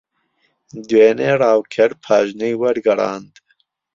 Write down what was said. دوێنێ ڕاوکەر پاژنەی وەرگەڕاند.